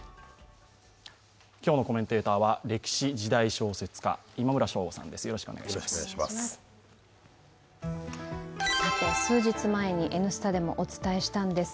今日のコメンテーターは歴史・時代小説家の今村翔吾さんです。